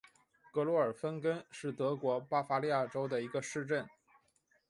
格罗尔芬根是德国巴伐利亚州的一个市镇。